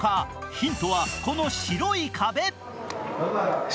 ヒントは、この白い壁。